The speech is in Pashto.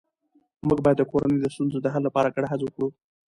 موږ باید د کورنۍ د ستونزو د حل لپاره ګډه هڅه وکړو